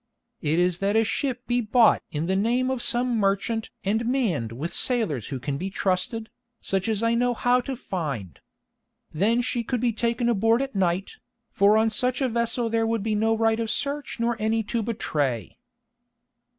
It is that a ship be bought in the name of some merchant and manned with sailors who can be trusted, such as I know how to find. Then she could be taken aboard at night, for on such a vessel there would be no right of search nor any to betray."